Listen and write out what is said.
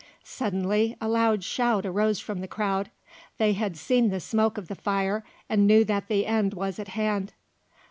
Suddenly a loud shout arose from the crowd. They had seen the smoke of the fire and knew that the end was at hand.